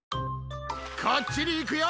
こっちにいくよ！